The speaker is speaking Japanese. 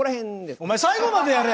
お前最後までやれ！